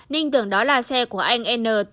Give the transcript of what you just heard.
ninh tưởng đó là xe của nguyễn đức cảnh